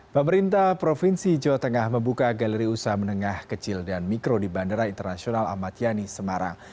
pemerintah provinsi jawa tengah membuka galeri usaha menengah kecil dan mikro di bandara internasional amat yani semarang